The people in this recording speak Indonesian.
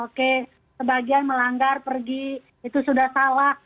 oke sebagian melanggar pergi itu sudah salah